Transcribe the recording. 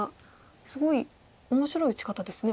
すごい面白い打ち方ですね。